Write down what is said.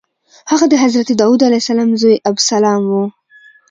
هغه د حضرت داود علیه السلام زوی ابسلام و.